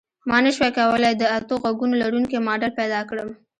ما نشوای کولی د اتو غوږونو لرونکی ماډل پیدا کړم